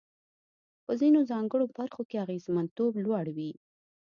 په ځینو ځانګړو برخو کې اغېزمنتوب لوړ وي.